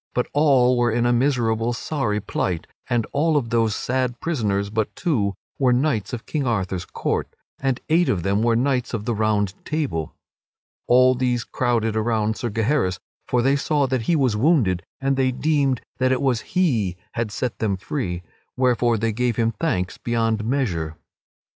But all were in a miserable sorry plight; and all of those sad prisoners but two were knights of King Arthur's court, and eight of them were knights of the Round Table. All these crowded around Sir Gaheris, for they saw that he was wounded and they deemed that it was he had set them free, wherefore they gave him thanks beyond measure.